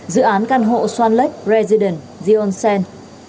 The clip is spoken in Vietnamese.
dự án căn hộ swan lake residence dion sen